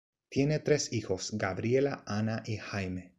Tiene tres hijos Gabriela, Ana y Jaime.